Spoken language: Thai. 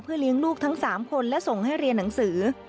เลี้ยงลูกทั้ง๓คนและส่งให้เรียนหนังสือ